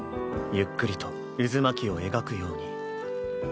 ゆっくりと渦巻きを描くように。